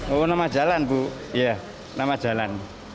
oh nama jalan bu ya nama jalan